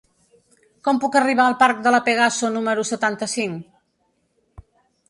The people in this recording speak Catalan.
Com puc arribar al parc de La Pegaso número setanta-cinc?